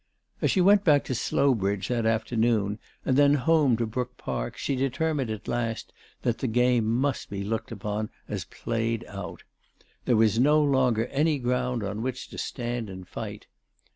As she went back to Slowbridge that afternoon, and then home to Brook Park, she determined at last that the game must be looked upon as played out. There was no longer any ground on which to stand and fight.